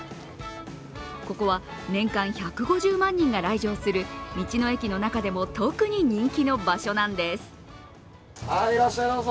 ここは年間１５０万人が来場する道の駅の中でも特に人気の場所なんです。